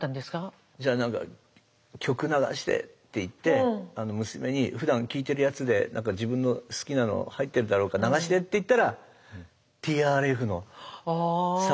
じゃあ何か曲流してって言って娘にふだん聴いてるやつで自分の好きなの入ってるだろうから流してって言ったらＴＲＦの「寒い夜だから」とか流してくれて。